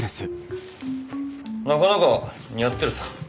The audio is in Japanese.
なかなか似合ってるさ。